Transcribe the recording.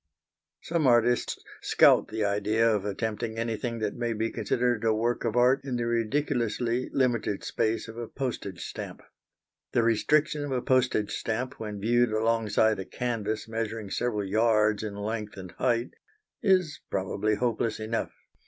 Some artists scout the idea of attempting anything that may be considered a work of art in the ridiculously limited space of a postage stamp. The restriction of a postage stamp when viewed alongside a canvas measuring several yards in length and height is probably hopeless enough.